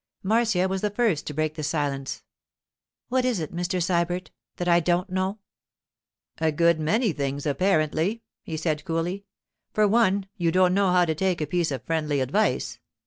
Marcia was the first to break the silence. 'What is it, Mr. Sybert, that I don't know?' 'A good many things, apparently,' he said coolly. 'For one, you don't know how to take a piece of friendly advice.